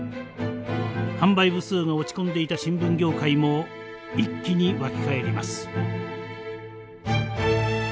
販売部数が落ち込んでいた新聞業界も一気に沸き返ります。